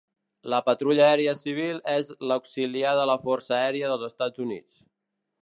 La Patrulla Aèria Civil és l'auxiliar de la Força Aèria dels Estats Units.